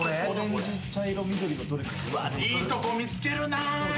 いいとこ見つけるな。